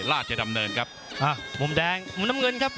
ราชจะดำเนินครับ